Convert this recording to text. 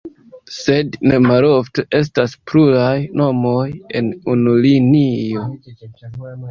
Sed, ne malofte estas pluraj nomoj en unu linio.